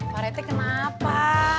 pak reti kenapa